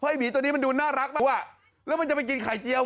ไอ้หมีตัวนี้มันดูน่ารักมากอ่ะแล้วมันจะไปกินไข่เจียว